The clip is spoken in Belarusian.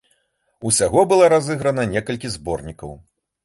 Усяго было разыграна некалькі зборнікаў.